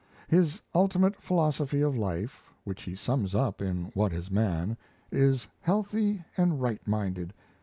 His ultimate philosophy of life, which he sums up in 'What is Man?', is healthy and right minded.